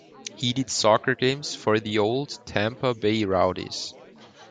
He did soccer games for the old Tampa Bay Rowdies.